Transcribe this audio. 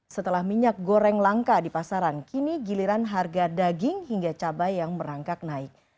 setelah minyak goreng langka di pasaran kini giliran harga daging hingga cabai yang merangkak naik